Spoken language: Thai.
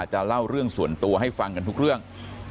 จะเล่าเรื่องส่วนตัวให้ฟังกันทุกเรื่อง